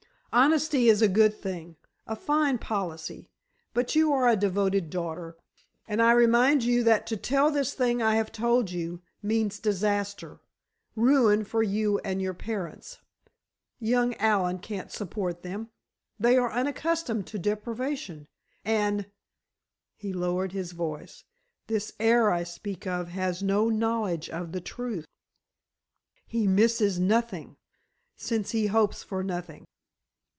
"Honesty is a good thing—a fine policy—but you are a devoted daughter, and I remind you that to tell this thing I have told you, means disaster—ruin for you and your parents. Young Allen can't support them—they are unaccustomed to deprivation—and," he lowered his voice, "this heir I speak of has no knowledge of the truth. He misses nothing, since he hopes for nothing."